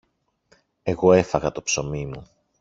Εγώ έφαγα το ψωμί μου.